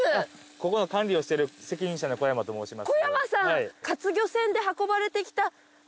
ここの管理をしてる責任者の小山と申します。